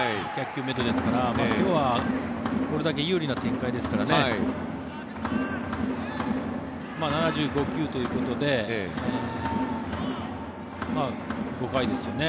１００球めどですから今日はこれだけ有利な展開ですから７５球ということで５回ですよね